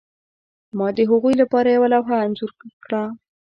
ما د هغوی لپاره یوه لوحه انځور کړه